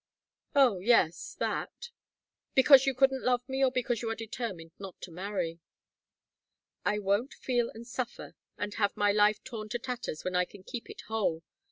"Oh yes that." "Because you couldn't love me, or because you are determined not to marry?" "I won't feel and suffer and have my life torn to tatters when I can keep it whole!